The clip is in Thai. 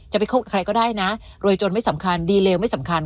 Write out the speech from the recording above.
ไปคบกับใครก็ได้นะรวยจนไม่สำคัญดีเลวไม่สำคัญ